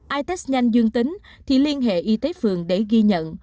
i test nhanh dương tính thì liên hệ y tế phường để ghi nhận